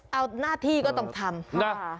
เอาหน้าที่ก็ต้องทำนะ